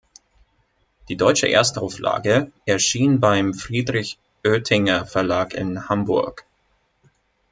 Die deutsche Erstauflage erschien beim Friedrich Oetinger Verlag in Hamburg.